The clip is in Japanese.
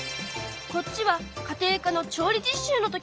こっちは家庭科の調理実習の時のもの。